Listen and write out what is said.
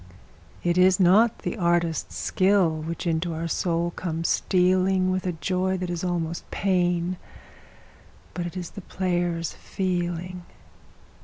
It is not the artist's skill which into our soul comes stealing With a joy that is almost pain, but it is the player's feeling.